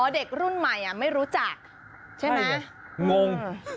เด็กรุ่นใหม่ไม่รู้จักใช่ไหมงง